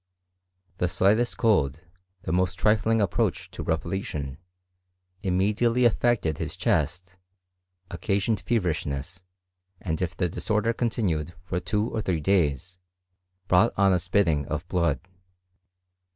The slightest cold, the most trifling approach to repletion, immediately affected his chest, occasioned feverishness, and if the disorder continued for two or three days, brought on a spit * ting of blood.